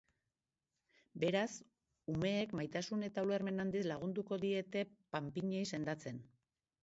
Beraz, umeek maitasun eta ulermen handiz lagunduko diete panpinei sendatzen.